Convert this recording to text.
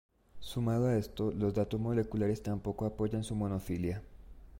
Sumado a esto, los datos moleculares tampoco apoyan su monofilia.